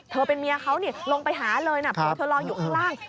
เธอเป็นเมียเขาลงไปหาเลยนะเธอลองอยู่ข้างล่าง